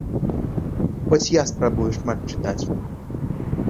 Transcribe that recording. Хоць я спрабую шмат чытаць.